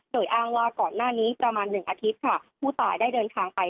โดยอ้างว่าก่อนหน้านี้ประมาณ๑อาทิตย์ค่ะผู้ตายได้เดินทางไป